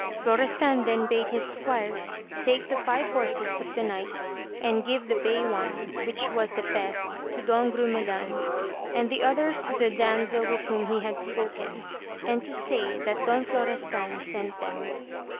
Florestan then bade his squires take the five horses of the knights and give the bay one, which was the best, to Don Grumedan, and the others to the damsel with whom he had spoken, and to say that Don Flo restan sent them.